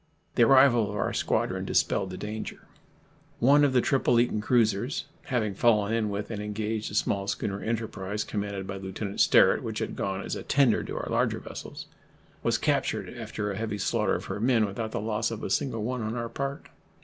The arrival of our squadron dispelled the danger. One of the Tripolitan cruisers having fallen in with and engaged the small schooner Enterprise, commanded by Lieutenant Sterret, which had gone as a tender to our larger vessels, was captured, after a heavy slaughter of her men, without the loss of a single one on our part.